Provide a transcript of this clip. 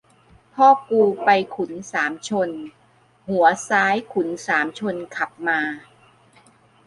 พ่อกูไปขุนสามชน หัวซ้ายขุนสามชนขับมา